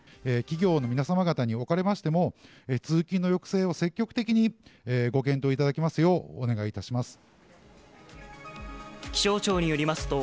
企業の皆様方におかれましても、通勤の抑制を積極的にご検討いただきますよう、お願いいたします。